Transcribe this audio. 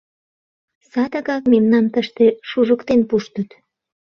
Садыгак мемнам тыште шужыктен пуштыт!